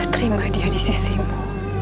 terima dia disisimu